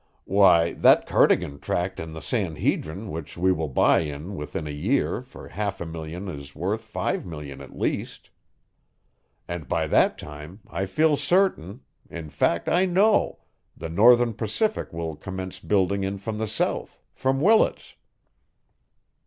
Why, that Cardigan tract in the San Hedrin which we will buy in within a year for half a million is worth five millions at least. And by that time, I feel certain in fact, I know the Northern Pacific will commence building in from the south, from Willits."